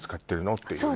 っていうね